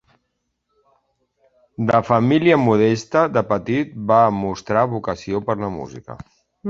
De família modesta, de petit va mostrar vocació per la música.